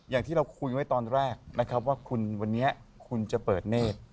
อย่างที่เราคุยไว้ตอนแรกนะครับว่าคุณวันนี้คุณจะเปิดเนธ